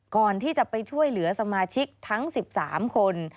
ก่อนที่จะไปช่วยเหลือสมาชิกทั้ง๑๓คน